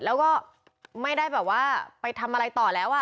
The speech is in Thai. แล้วก็ไม่ได้แบบว่าไปทำอะไรต่อแล้ว